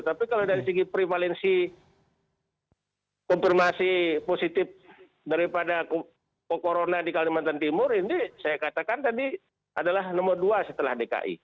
tapi kalau dari segi prevalensi konfirmasi positif daripada corona di kalimantan timur ini saya katakan tadi adalah nomor dua setelah dki